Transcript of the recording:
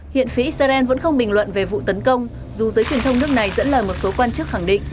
hiện phía israel vẫn không bình luận về vụ tấn công dù giới truyền thông nước này dẫn lời một số quan chức khẳng định